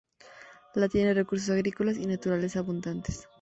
La tiene recursos agrícolas y naturales muy abundantes.